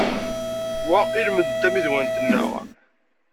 Wa i lmend n tammidwa-nteɣ.